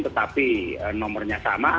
tetapi nomornya sama